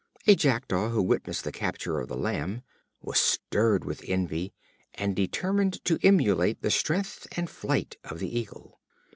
A Jackdaw who witnessed the capture of the lamb, was stirred with envy, and determined to emulate the strength and flight of the Eagle.